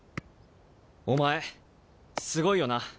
お前すごいよな。